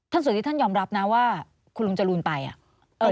ท่านสุดที่ท่านยอมรับนะว่าคุณลุงจรูลไป